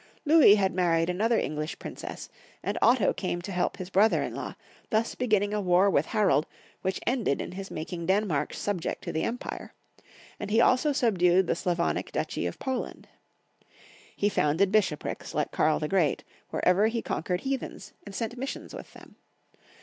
Louis had married another English princess, and Otto came to help his brother in law, thus beginning a war with Harald which ended in his making Den mark subject to the empire ; and he also subdued the Slavonic Duchy of Poland. He founded bish oprics, like Karl the Great, wherever he conquered heathens, and sent missions with them.